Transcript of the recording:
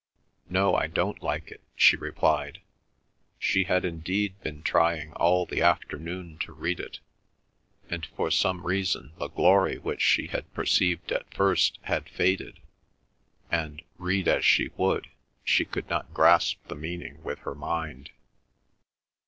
"No, I don't like it," she replied. She had indeed been trying all the afternoon to read it, and for some reason the glory which she had perceived at first had faded, and, read as she would, she could not grasp the meaning with her mind.